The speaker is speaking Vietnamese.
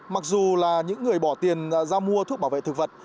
mặc dù là những người bỏ tiền ra mua thuốc bảo vệ thực vật